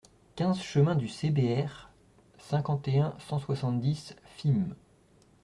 quinze chemin du CBR, cinquante et un, cent soixante-dix, Fismes